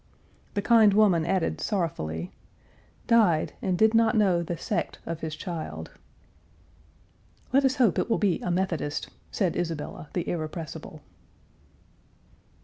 The kind woman added, sorrowfully, "Died and did not know the sect of his child." "Let us hope it will be a Methodist," said Isabella, the irrepressible.